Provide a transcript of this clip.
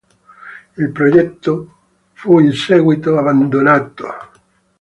Il progetto fu in seguito abbandonato.